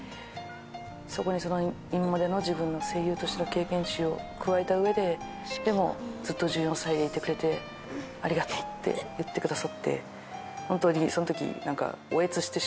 そこに今までの自分の声優としての経験値を加えた上ででも「ずっと１４歳でいてくれてありがとう」って言ってくださって本当に。